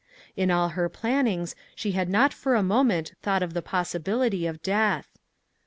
In all her plannings she had not for a moment thought of the possibility of death.